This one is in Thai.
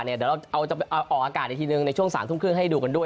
เดี๋ยวเราจะออกอากาศอีกทีหนึ่งในช่วง๓ทุ่มครึ่งให้ดูกันด้วย